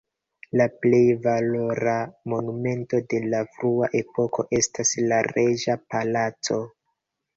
La plej valora monumento de la frua epoko estas la reĝa palaco.